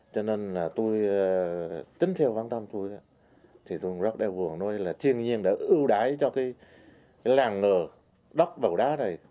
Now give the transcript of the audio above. cho nên là tôi tính theo văn tâm tôi thì tôi rất đeo buồn nói là thiên nhiên đã ưu đái cho cái làng ngược đất bào đá này